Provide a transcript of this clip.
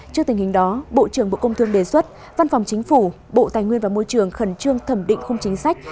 trước tình hình đó bộ trưởng bộ công thương đề xuất văn phòng chính phủ bộ tài nguyên và môi trường khẩn trương thẩm định khung chính sách